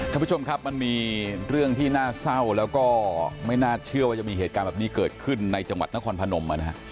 ท่านผู้ชมครับมันมีเรื่องที่น่าเศร้าแล้วก็ไม่น่าเชื่อว่าจะมีเหตุการณ์แบบนี้เกิดขึ้นในจังหวัดนครพนมนะฮะ